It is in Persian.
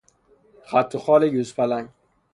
خط و خال یوزپلنگ